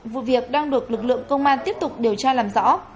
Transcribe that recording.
vụ việc đang được lực lượng công an tiếp tục điều tra làm rõ